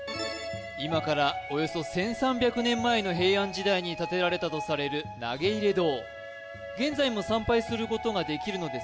今からおよそ１３００年前の平安時代に建てられたとされる投入堂